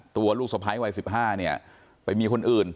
ตัวลูกสะพ้ายวัยสิบห้าเนี่ยไปมีคนอื่น